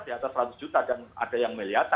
di atas seratus juta dan ada yang miliaran